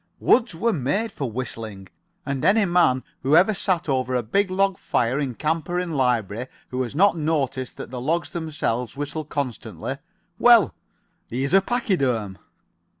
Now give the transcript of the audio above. Woods were made for whistling, and any man who ever sat over a big log fire in camp or in library who has not noticed that the logs themselves whistle constantly well, he is a pachyderm."